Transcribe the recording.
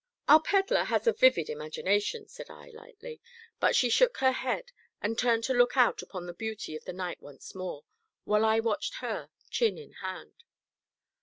"Our Pedler has a vivid imagination!" said I lightly. But she shook her head, and turned to look out upon the beauty of the night once more, while I watched her, chin in hand.